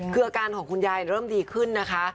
คืออาการของคุณยายเริ่มดีขึ้นนะคะ